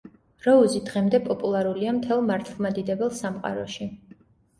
როუზი დღემდე პოპულარულია მთელ მართლმადიდებელ სამყაროში.